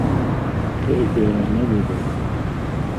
سترګې يې نه لیدلې.